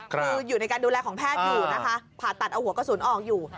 คืออยู่ในการดูแลของแพทย์อยู่นะคะผ่าตัดเอาหัวกระสุนออกอยู่